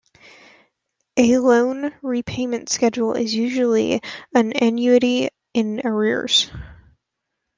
A loan repayment schedule is usually an annuity in arrears.